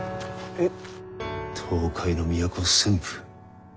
えっ！？